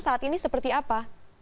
saat ini seperti apa